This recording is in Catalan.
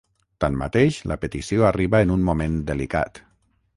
Tanmateix, la petició arriba en un moment delicat.